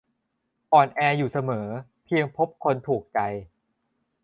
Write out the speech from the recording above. "อ่อนแออยู่เสมอ เพียงพบคนถูกใจ"